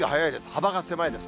幅が狭いです。